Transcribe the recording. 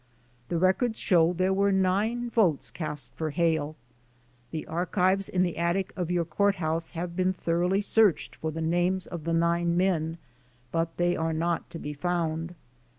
The records show there were nine votes cast for Hale. The archives in the attic of your court house have been thoroughly searched for the names of the nine men but they are not to be found.